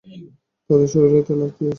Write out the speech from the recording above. তাদের শরীরে তেল দিয়েছেন।